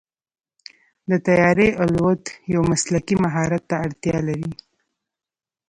د طیارې الوت یو مسلکي مهارت ته اړتیا لري.